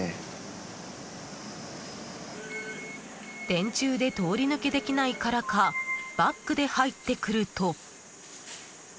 電柱で通り抜けできないからかバックで入ってくると。